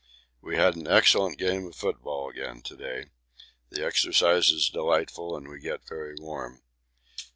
We had an excellent game of football again to day the exercise is delightful and we get very warm.